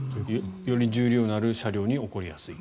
より重量のある車両に起こりやすい。